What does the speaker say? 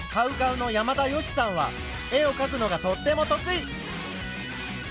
ＣＯＷＣＯＷの山田善しさんは絵をかくのがとっても得意。